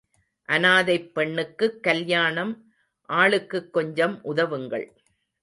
அநாதைப் பெண்ணுக்குக் கல்யாணம் ஆளுக்குக் கொஞ்சம் உதவுங்கள்.